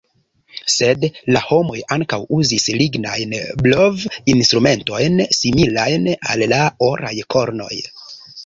Sed la homoj ankaŭ uzis lignajn blov-instrumentojn similajn al la oraj kornoj.